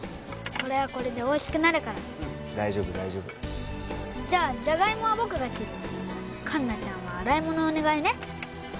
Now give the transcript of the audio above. これはこれでおいしくなるからうん大丈夫大丈夫じゃあジャガイモは僕が切るよ栞奈ちゃんは洗い物お願いねＴｈａｎｋｓ